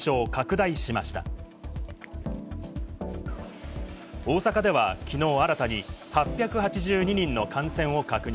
大阪ではきのう新たに８８２人の感染を確認。